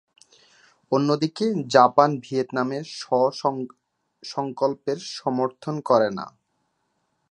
অন্যদিকে, জাপান ভিয়েতনামের স্ব-সংকল্পের সমর্থন করে না।